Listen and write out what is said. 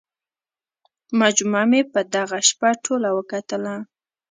مجموعه مې په دغه شپه ټوله وکتله.